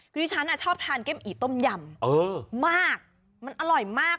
คือที่ฉันอ่ะชอบทานเกมอีต้มยำเออมากมันอร่อยมาก